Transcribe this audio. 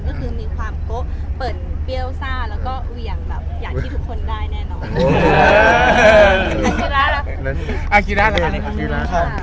ก็คือมีความโกะเปิดเปรี้ยวซ่าแล้วก็เหวี่ยงแบบอย่างที่ทุกคนได้แน่นอน